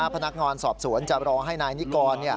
พนักงานสอบสวนจะรอให้นายนิกร